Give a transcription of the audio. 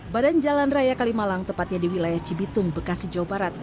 badan jalan raya kalimalang tepatnya di wilayah cibitung bekasi jawa barat